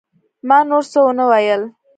ما نور څه ونه ويل.